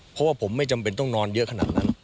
เพราะว่าผมไม่จำเป็นต้องนอนเยอะขนาดนั้น